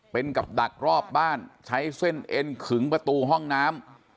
เป็นกับดักรอบบ้านใช้เส้นเอ็นขึงประตูห้องน้ำ